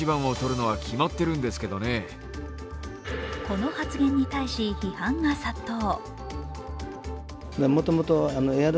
この発言に対し、批判が殺到。